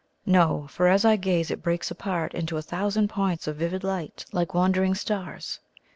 No; for as I gaze it breaks apart into a thousand points of vivid light like wandering stars.